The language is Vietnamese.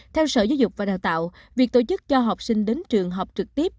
theo sở giáo dục và đào tạo việc tổ chức cho học sinh đến trường học trực tiếp